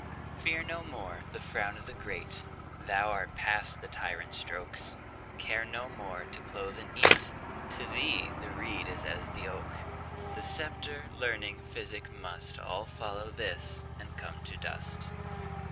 Fear no more the frown o' the great, Thou art past the tyrant's stroke; Care no more to clothe and eat; To thee the reed is as the oak:The sceptre, learning, physic, mustAll follow this, and come to dust.